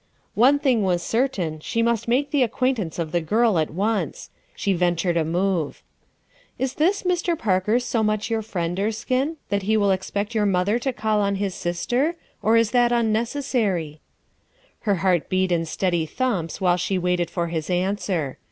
One thing was certain: she must make the acquaintance of the girl at once. She ventured a move. "Is this Mr. Parker so much your friend Erskine, that he will expect your mother to call on his sister, or is that unnecessary?" Her heart beat in steady thumps while she waited for his answer.